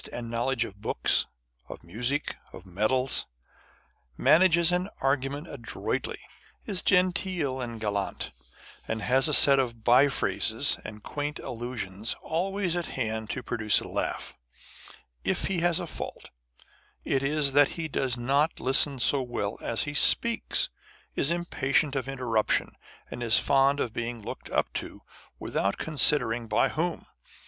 and knowledge of books, of music, of medals ; manages an argument adroitly ; is genteel and gallant, and has a set of bye phrases and quaint allusions always at hand to pro duce a laugh : â€" if he has a fault, it is that he does not listen so wrell as he speaks, is impatient of interruption, and is fond of being looked up to, without considering by whom.